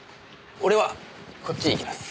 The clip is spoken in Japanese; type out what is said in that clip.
俺はこっちへ行きます。